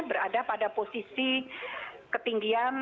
berada pada posisi ketinggian